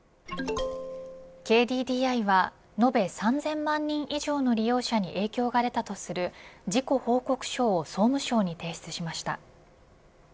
ＫＤＤＩは延べ３０００万人以上の利用者に影響が出たとする事故報告書を総務省に提出しました。